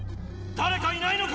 だれかいないのか！